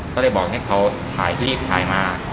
ก็เลยบอกให้เขาถ่ายรีบถ่ายมา